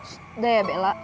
sudah ya bella